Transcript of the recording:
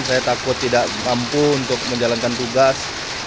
saya takut tidak mampu untuk menjalankan tugas